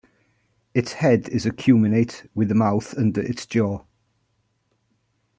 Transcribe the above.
Its head is acuminate, with the mouth under its jaw.